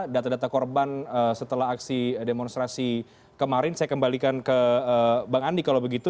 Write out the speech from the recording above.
data data korban setelah aksi demonstrasi kemarin saya kembalikan ke bang andi kalau begitu